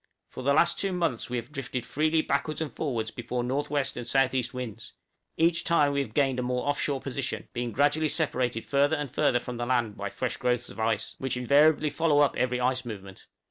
For the last two months we have drifted freely backwards and forwards before N.W. and S.E. winds; each time we have gained a more off shore position, being gradually separated further and further from the land by fresh growths of ice, which invariably follow up every ice movement.